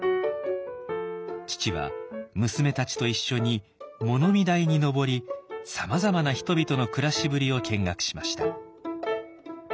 父は娘たちと一緒に物見台に上りさまざまな人々の暮らしぶりを見学しました。